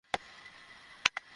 Simba একটা অন্ধ কুকুর!